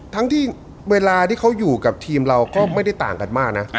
ทั้งที่เวลาที่เขาอยู่กับทีมเราก็ไม่ได้ต่างกันมากนะ